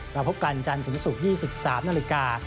พบกันจันทร์ถึงศุกร์๒๓นาฬิกา